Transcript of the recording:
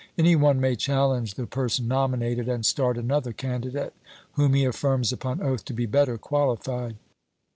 Any one may challenge the person nominated and start another candidate, whom he affirms upon oath to be better qualified.